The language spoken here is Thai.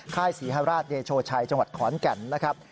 ใคร้ศรีฮราชวนิยโชชัยจังหวัดขวานกัลนะครับ